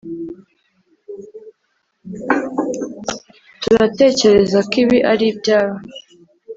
Turatekereza ko ibi ari ibyawe